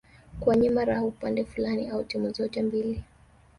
kuwanyima raha upande fulani au timu zote mbili